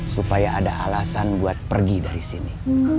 supaya ada alasan buat pergi dari sini